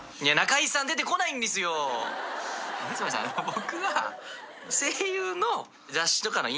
僕は。